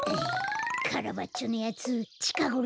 カラバッチョのやつちかごろ